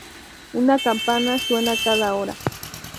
Una campana suena cada hora.